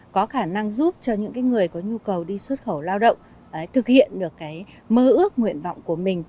có khả năng giúp cho những người có nhu cầu đi xuất khẩu lao động thực hiện được mơ ước nguyện vọng của mình